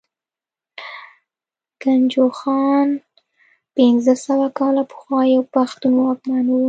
ګجوخان پنځه سوه کاله پخوا يو پښتون واکمن وو